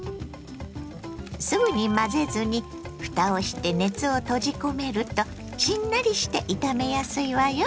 すぐに混ぜずにふたをして熱を閉じ込めるとしんなりして炒めやすいわよ。